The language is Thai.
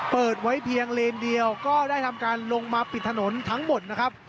เปิดไว้เพียงเลนเดียวก็ได้ทำการลงมาปิดถนนทั้งหมดนะครับ